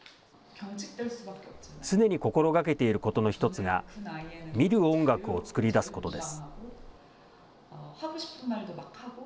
常に心がけていることの一つが、見る音楽を作り出すことです。